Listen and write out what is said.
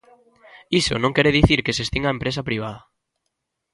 Iso non quere dicir que se extinga a empresa privada.